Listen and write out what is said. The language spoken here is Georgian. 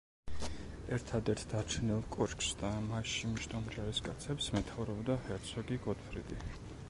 ერთადერთ დარჩენილ კოშკს და მასში მჯდომ ჯარისკაცებს მეთაურობდა ჰერცოგი გოტფრიდი.